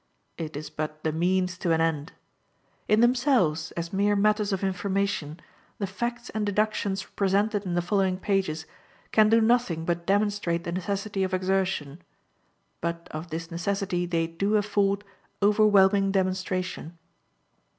It is but the means to an end. In themselves, as mere matters of information, the facts and deductions presented in the following pages can do nothing but demonstrate the necessity of exertion; but of this necessity they do afford overwhelming demonstration.